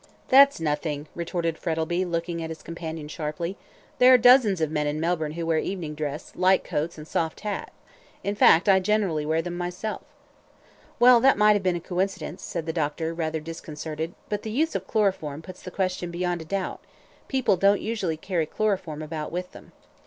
"That's nothing," retorted Frettlby, looking at his companion sharply. "There are dozens of men in Melbourne who wear evening dress, light coats, and soft hats in fact, I generally wear them myself." "Well, that might have been a coincidence," said the doctor, rather disconcerted; "but the use of chloroform puts the question beyond a doubt; people don't usually carry chloroform about with them."